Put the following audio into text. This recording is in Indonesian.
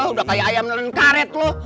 udah kaya ayam nengkaret lo